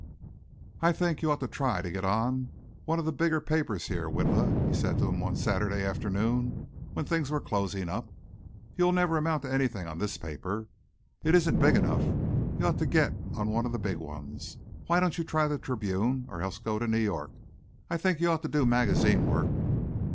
"I think you ought to try to get on one of the bigger papers here, Witla," he said to him one Saturday afternoon when things were closing up. "You'll never amount to anything on this paper. It isn't big enough. You ought to get on one of the big ones. Why don't you try the Tribune or else go to New York? I think you ought to do magazine work."